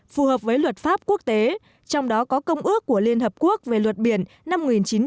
phù hợp với luật pháp quốc tế trong đó có công ước của liên hợp quốc về luật biển năm một nghìn chín trăm tám mươi hai